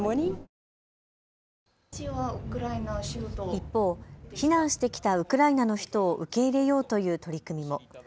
一方、避難してきたウクライナの人を受け入れようという取り組みも。